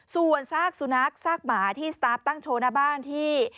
ส่วนซากสุนัขซากหมาที่สตาร์ฟตั้งโชว์หน้าบ้านที่